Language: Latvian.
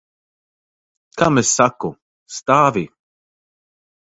Kam es saku? Stāvi!